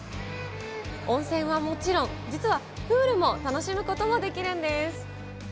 温泉はもちろん、実はプールも楽しむこともできるんです。